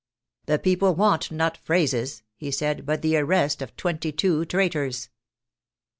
" The people want not phrases," he said, but the arrest of twenty two traitors."